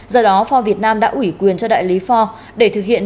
do đó ford việt nam đã ủy quyền cho đại lý ford để thực hiện